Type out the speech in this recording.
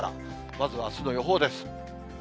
まずはあすの予報です。